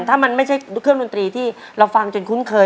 ถ้ามันไม่ใช่เครื่องดนตรีที่เราฟังจนคุ้นเคย